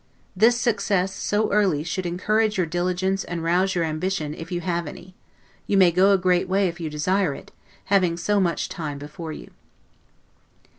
This success, so early, should encourage your diligence and rouse your ambition if you have any; you may go a great way, if you desire it, having so much time before you.